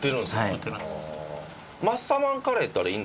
売ってます。